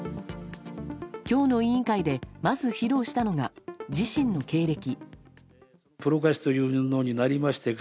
今日の委員会でまず披露したのが自身の経歴。